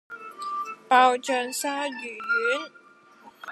爆醬鯊魚丸